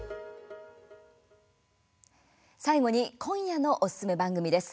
最後に今夜のおすすめ番組です。